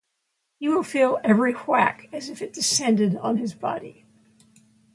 He will feel every whack as if it descended on his body.